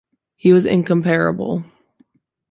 He was incomparable'.